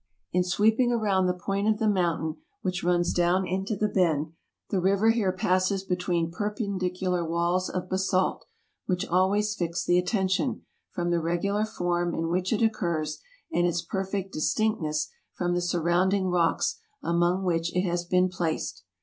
In sweeping around the point of the mountain which runs down into the bend, the river here passes between per pendicular walls of basalt, which always fix the attention, from the regular form in which it occurs, and its perfect dis tinctness from the surrounding rocks among which it has been placed.